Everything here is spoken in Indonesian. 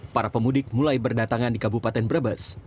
para pemudik mulai berdatangan di kabupaten brebes